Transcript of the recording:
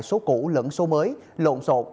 số cũ lẫn số mới lộn xộn